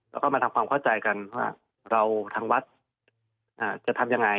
แล้วก็มาทำความเข้าใจกันว่าเราทางวัดจะทำยังไง